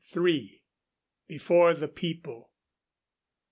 BEFORE THE PEOPLE.